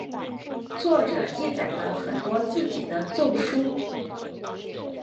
作者记载了很多自己的奏疏。